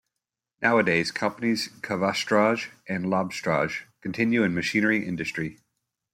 Nowadays companies Kovostroj and Labstroj continue in machinery industry.